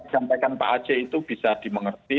sampaikan pak aceh itu bisa dimengerti